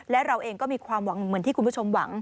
และเราเองก็มีความหวังเหมือนที่คุณผู้ชมหวัง